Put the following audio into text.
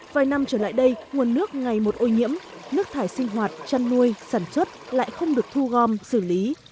vài năm trở lại đây nguồn nước ngày một ô nhiễm nước thải sinh hoạt chăn nuôi sản xuất lại không được thu gom xử lý